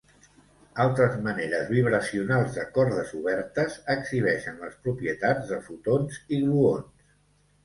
Altres maneres vibracionals de cordes obertes exhibeixen les propietats de fotons i gluons.